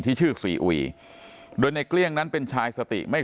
ที่ชื่อซีอุยโดยในเกลี้ยงนั้นเป็นชายสติไม่